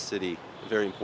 một thành phố